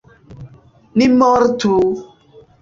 Ni mortu!